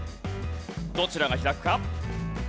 どちらが開くか？